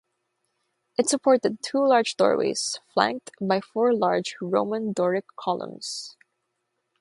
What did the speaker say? It supported two large doorways flanked by four large Roman Doric columns.